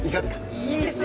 いいですね。